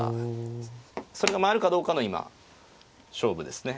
それが回るかどうかの今勝負ですね。